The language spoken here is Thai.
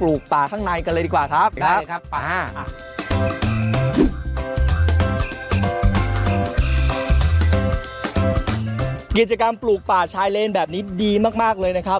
เลนแบบนี้ดีมากเลยนะครับ